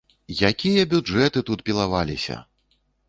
Якія бюджэты тут пілаваліся!